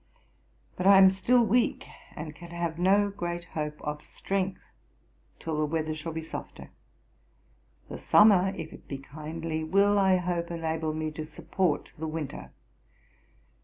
But I am still weak, and can have no great hope of strength till the weather shall be softer. The summer, if it be kindly, will, I hope, enable me to support the winter.